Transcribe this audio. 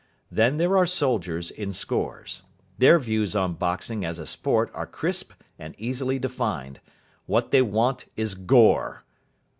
Then there are soldiers in scores. Their views on boxing as a sport are crisp and easily defined. What they want is Gore.